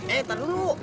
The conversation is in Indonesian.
eh nanti dulu